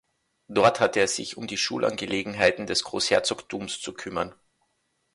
Dort hatte er sich um die Schulangelegenheiten des Großherzogtums zu kümmern.